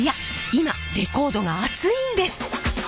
今レコードがアツいんです！